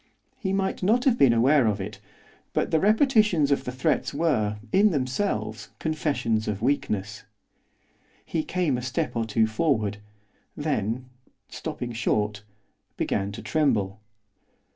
He might not have been aware of it, but the repetitions of the threats were, in themselves, confessions of weakness. He came a step or two forward, then, stopping short, began to tremble.